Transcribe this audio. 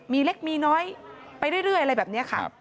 มีเล็กมีน้อยไปเรื่อยอะไรแบบนี้ค่ะ